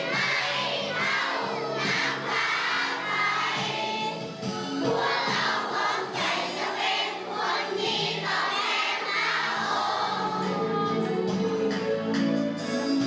ดวกเราและนายหลวงรัชกาลที่๙ครับ